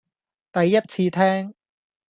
第一次聽